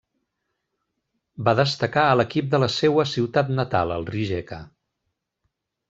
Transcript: Va destacar a l'equip de la seua ciutat natal, el Rijeka.